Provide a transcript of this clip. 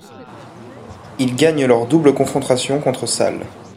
Ils gagnent leur double confrontation contre Sale.